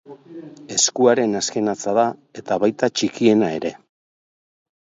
Eskuaren azken hatza da eta baita txikiena ere.